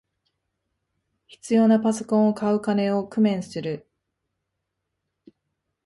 必要なパソコンを買う金を工面する